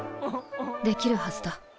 できるはずだ。